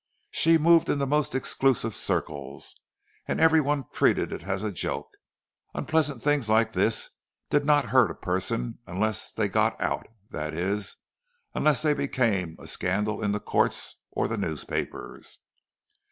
She moved in the most exclusive circles, and every one treated it as a joke. Unpleasant things like this did not hurt a person unless they got "out"—that is, unless they became a scandal in the courts or the newspapers.